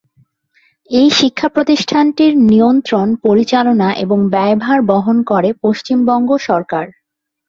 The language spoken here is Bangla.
এই শিক্ষা প্রতিষ্ঠানটির নিয়ন্ত্রণ, পরিচালনা এবং ব্যয়ভার বহন করে পশ্চিমবঙ্গ সরকার।